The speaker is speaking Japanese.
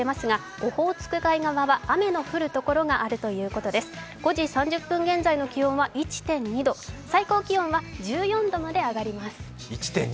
５時３０分現在の気温は１．２度、最高気温は１４度まで上がります。